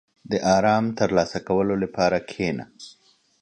• د آرام ترلاسه کولو لپاره کښېنه.